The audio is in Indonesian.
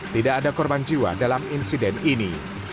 tidak ada korban jiwa dalam insiden ini